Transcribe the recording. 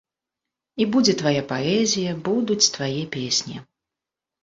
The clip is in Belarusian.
І будзе твая паэзія, будуць твае песні.